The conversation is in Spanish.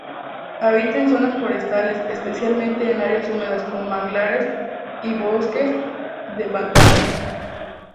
Habita en zonas forestales, especialmente en áreas húmedas, como manglares y bosques de pantano.